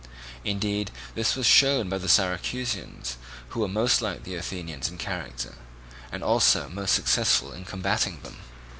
Indeed this was shown by the Syracusans, who were most like the Athenians in character, and also most successful in combating them.